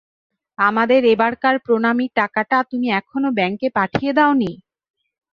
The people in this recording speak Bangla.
আমাদের এবারকার প্রণামীর টাকাটা তুমি এখনো ব্যাঙ্কে পাঠিয়ে দাও নি?